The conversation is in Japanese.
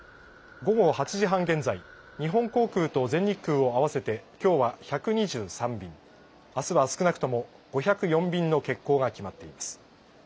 午後８時半現在、日本航空と全日空を合わせてきょうは１２３便、あすは少なくとも５０４便の欠航が決まっています。